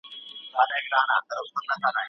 لکه ستا لستوڼی،